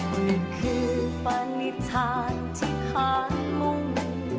นี่คือปานิทานที่ขาดมุม